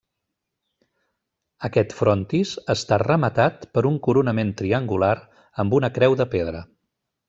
Aquest frontis està rematat per un coronament triangular amb una creu de pedra.